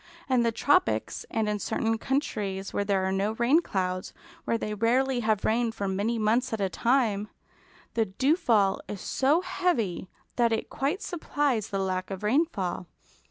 In the tropics, and in certain countries where there are no rain clouds; where they rarely have rain for many months at a time, the dewfall is so heavy that it quite supplies the lack of rainfall.